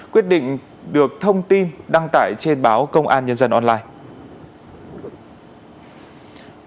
quyết định được thông tin đăng tải trên báo công an nhân dân online